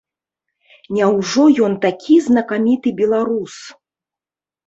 Няўжо ён такі знакаміты беларус?